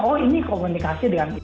oh ini komunikasi dengan